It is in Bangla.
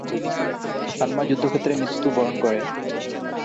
সালমা যুদ্ধক্ষেত্রে মৃত্যুবরণ করে।